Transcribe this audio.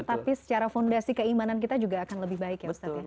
tapi secara fondasi keimanan kita juga akan lebih baik ya ustadz ya